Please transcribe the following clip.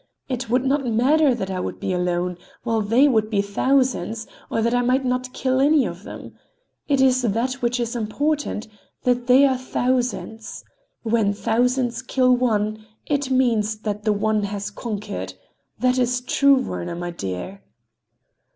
It would not matter that I would be alone, while they would be thousands, or that I might not kill any of them. It is that which is important—that they are thousands. When thousands kill one, it means that the one has conquered. That is true, Werner, my dear...."